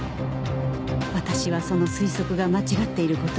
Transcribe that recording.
私はその推測が間違っている事を願い